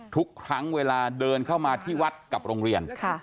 ทุกครั้งเวลาเดินเข้ามาที่วัดกับโรงเรียน